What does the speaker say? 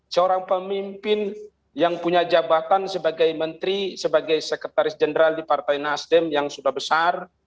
seorang pemimpin yang punya jabatan sebagai menteri sebagai sekretaris jenderal di partai nasdem yang sudah besar